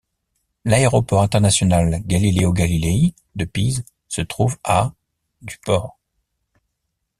L'aéroport international Galileo Galilei de Pise se trouve à du port.